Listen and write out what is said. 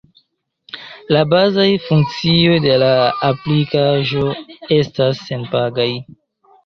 La bazaj funkcioj de la aplikaĵo estas senpagaj.